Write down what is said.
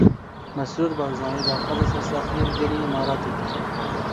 Mesrûr Barzanî daxwaza sersaxiyê li gelê Îmaratê kir.